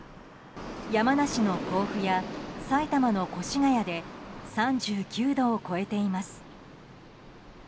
山梨の甲府や、埼玉の越谷で３９度を超えています。